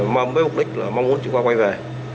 mong với mục đích là mong muốn trịnh khoa quay về